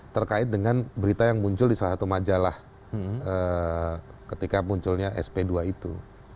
terkait dengan berita yang muncul di salah satu majalah ketika munculnya sp dua itu